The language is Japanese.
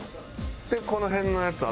でこの辺のやつ